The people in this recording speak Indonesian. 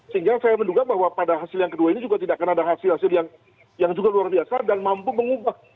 sehingga saya menduga bahwa pada hasil yang kedua ini juga tidak akan ada hasil hasil yang juga luar biasa dan mampu mengubah